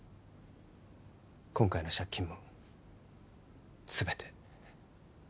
今回の借金も全て